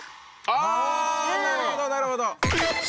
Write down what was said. あなるほどなるほど。